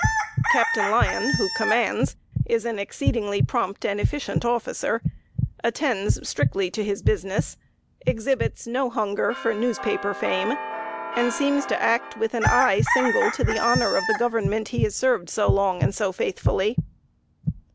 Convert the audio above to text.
Captain Lyon, who commands, is an exceedingly prompt and efficient officer, attends strictly to his business, exhibits no hunger for newspaper fame, and seems to act with an eye single to the honor of the Government he has served so long and so faithfully.